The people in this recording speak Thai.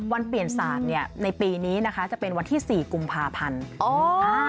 เปลี่ยนศาสตร์เนี่ยในปีนี้นะคะจะเป็นวันที่๔กุมภาพันธ์